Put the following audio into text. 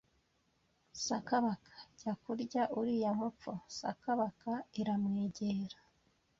Sakabaka jya kurya uriya mupfu Sakabaka iramwegera